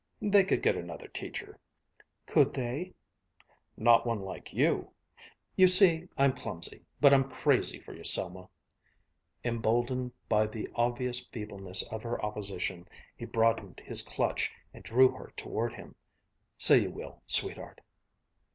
"They could get another teacher." "Could they?" "Not one like you. You see I'm clumsy, but I'm crazy for you, Selma." Emboldened by the obvious feebleness of her opposition, he broadened his clutch and drew her toward him. "Say you will, sweetheart."